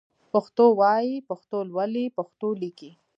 پښتو وايئ ، پښتو لولئ ، پښتو ليکئ